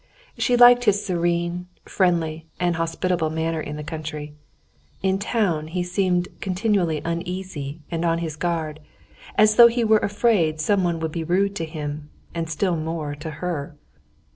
She liked his serene, friendly, and hospitable manner in the country. In the town he seemed continually uneasy and on his guard, as though he were afraid someone would be rude to him, and still more to her.